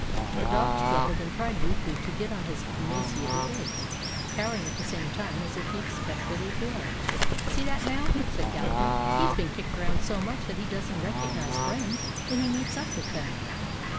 The dog struggled and tried weakly to get on his emaciated legs, cowering at the same time, as if he expected a blow. "See that, now," said Gallagher. "He 's been kicked around so much that he does n't recognize friends when he meets up with them."